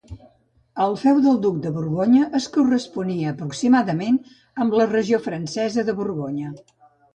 El feu del duc de Borgonya es corresponia aproximadament amb la regió francesa de Borgonya.